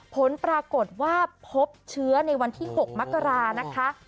ผลปรากฏว่าพบเชื้อในวันที่๖มกรานะคะ